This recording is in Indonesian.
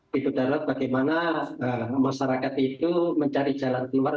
pintu darurat bagaimana masyarakat itu mencari jalan keluar